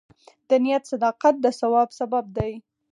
د نیت صداقت د ثواب سبب دی.